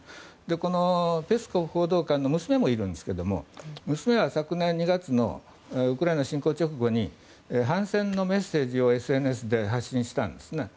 このペスコフ報道官の娘もいるんですけども娘は昨年２月のウクライナ侵攻直後に反戦のメッセージをＳＮＳで発信したんですね。